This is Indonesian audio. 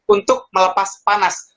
untuk melepas panas